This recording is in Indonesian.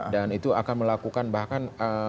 dan itu akan melakukan bahkan